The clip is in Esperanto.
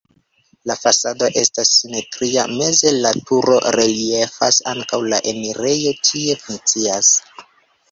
La fasado estas simetria, meze la turo reliefas, ankaŭ la enirejo tie funkcias.